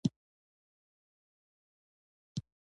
د غونډۍ په لمن کې بادام څنګه وکرم؟